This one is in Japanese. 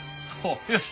よし！